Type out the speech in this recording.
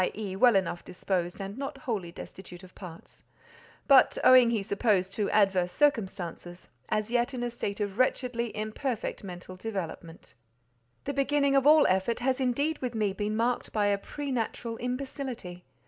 e. well enough disposed, and not wholly destitute of parts), but, owing he supposed to adverse circumstances, "as yet in a state of wretchedly imperfect mental development." The beginning of all effort has indeed with me been marked by a preternatural imbecility.